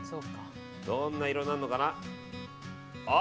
どんな色なのかな？